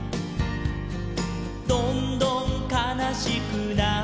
「どんどんかなしくなって」